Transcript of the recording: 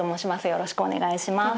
よろしくお願いします。